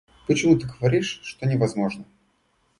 Почему ты говоришь, что невозможно?